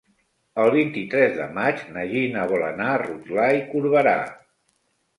El vint-i-tres de maig na Gina vol anar a Rotglà i Corberà.